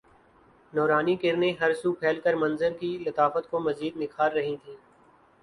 نورانی کرنیں ہر سو پھیل کر منظر کی لطافت کو مزید نکھار رہی تھیں